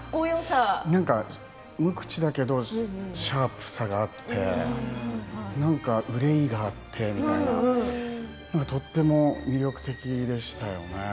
無口だけど、シャープさがあって憂いがあってみたいなとても、魅力的でしたよね。